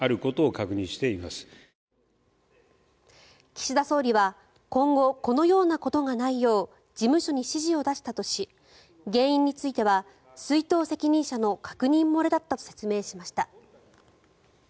岸田総理は今後このようなことがないよう事務所に指示を出したとし原因としては出納責任者の確認漏れだったと説明しました。